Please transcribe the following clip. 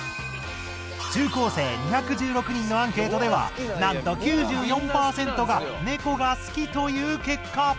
中高生２１６人のアンケートではなんと９４％が「ネコが好き！」という結果！